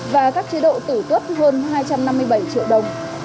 và các chế độ tử tuất hơn hai trăm năm mươi bảy triệu đồng